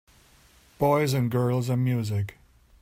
Boys and girls and music.